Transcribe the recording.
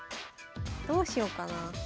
どうしよっかな。